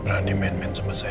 buat even sekarang kita jadi pbv